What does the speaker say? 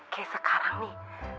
kayak sekarang nih